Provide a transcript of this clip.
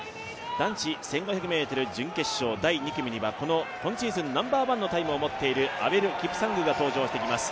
男子１５００ｍ準決勝、第２組には、今シーズンナンバーワンのタイムを持っているアベル・キプサングが登場しています。